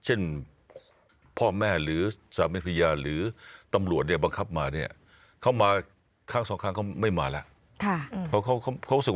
เส้น่พ่อแม่หรือสามิพยาหรือตำรวจบังคับเขามาข้างสองครั้งไม่มาแล้ว